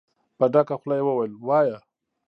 په ډکه خوله يې وويل: وايه!